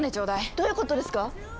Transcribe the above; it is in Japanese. どういうことですか